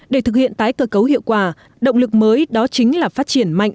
để thực hiện tái cơ cấu hiệu quả động lực mới đó chính là phát triển mạnh